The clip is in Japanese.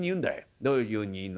「どういうふうに言うの？」。